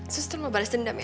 suster mau balas dendam ya